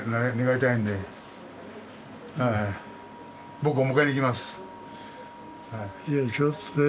ぼくお迎えに行きます。